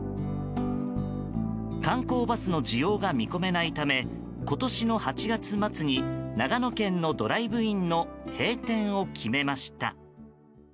観光バスの需要が見込めないため今年の８月末に長野県のドライブインの閉店を決めました。